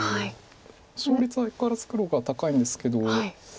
勝率は相変わらず黒が高いんですけど。